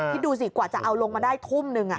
คิดดูสิกว่าจะเอาลงมาได้ทุ่มหนึ่ง